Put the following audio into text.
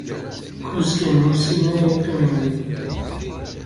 Kuẓ kan n wussan ay yeqqim din.